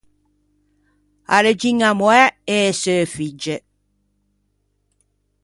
A regiña moæ e e seu figge.